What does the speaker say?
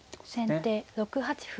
先手６八歩。